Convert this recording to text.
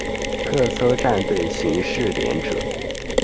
特搜战队刑事连者。